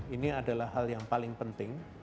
ini adalah hal yang paling penting